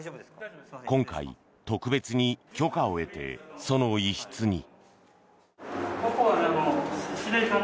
今回、特別に許可を得てその一室に。